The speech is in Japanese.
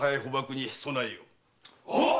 はっ！